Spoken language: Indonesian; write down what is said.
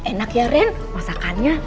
enak ya ren masakannya